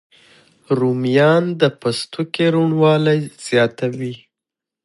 رومیان د پوستکي روڼوالی زیاتوي